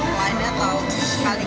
yang membangkitkan rasa persatuan